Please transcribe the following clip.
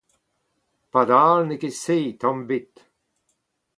Padal n'eo ket se, tamm ebet.